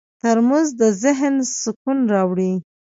ترموز د ذهن سکون راوړي.